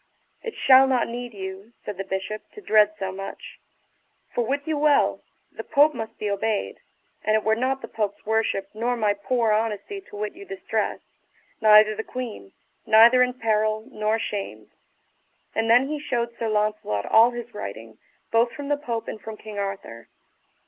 It shall not need you, said the Bishop, to dread so much; for wit you well, the Pope must be obeyed, and it were not the Pope's worship nor my poor honesty to wit you distressed, neither the queen, neither in peril, nor shamed. And then he shewed Sir Launcelot all his writing, both from the Pope and from King Arthur.